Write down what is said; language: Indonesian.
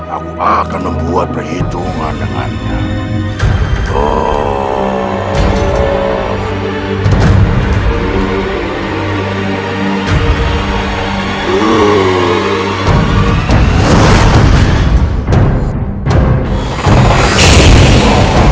aku akan membuat perhitungan dengannya